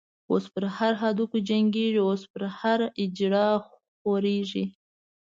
اوس په هر کدو جګيږی، اوس په هر” اجړا” خوريږی